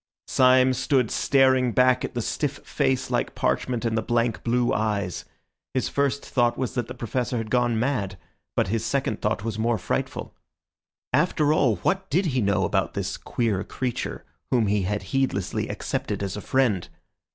Syme stood staring back at the stiff face like parchment and the blank, blue eyes. His first thought was that the Professor had gone mad, but his second thought was more frightful. After all, what did he know about this queer creature whom he had heedlessly accepted as a friend?